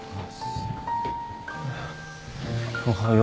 おはよう。